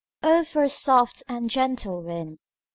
"O for a soft and gentle wind!"